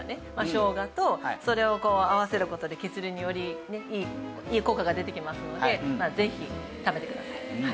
しょうがとそれを合わせる事で血流によりいい効果が出てきますのでぜひ食べてください。